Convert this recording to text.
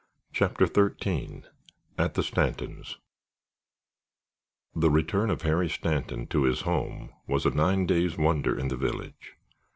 CHAPTER XIII AT THE STANTONS' The return of Harry Stanton to his home was a nine days' wonder in the village.